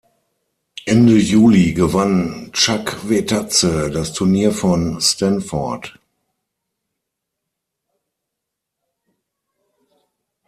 Ende Juli gewann Tschakwetadse das Turnier von Stanford.